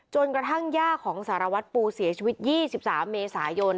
กระทั่งย่าของสารวัตรปูเสียชีวิต๒๓เมษายน